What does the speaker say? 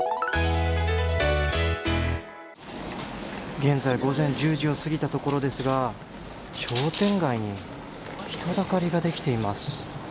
現在、午前１０時を過ぎたところですが、商店街に人だかりができています。